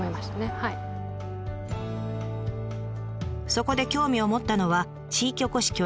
そこで興味を持ったのは地域おこし協力隊。